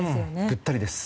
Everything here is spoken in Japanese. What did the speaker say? ぐったりです。